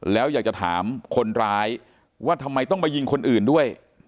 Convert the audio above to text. แล้วอยากจะถามคนร้ายว่าทำไมต้องมายิงคนอื่นด้วย